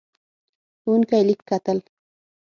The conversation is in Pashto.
ښوونکی لیک کتل.